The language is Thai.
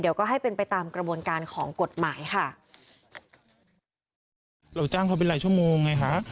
เดี๋ยวก็ให้เป็นไปตามกระบวนการของกฎหมายค่ะเราจ้างเขาเป็นหลายชั่วโมงไงฮะ